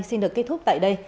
xin được kết thúc tại đây